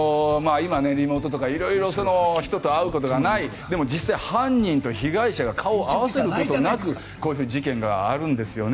今、リモートとか色々な人と会うことがないでも、実際に犯人と被害者が顔を合わせることなくこういうふうに事件があるんですよね。